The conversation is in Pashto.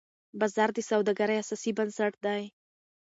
بازار د سوداګرۍ اساسي بنسټ دی.